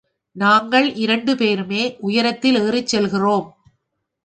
நாங்கள் இரண்டு பேருமே உயரத்தில் ஏறிச் செல்கிறோம்.